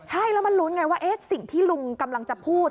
ใช่แล้วมันลุ้นไงว่าสิ่งที่ลุงกำลังจะพูด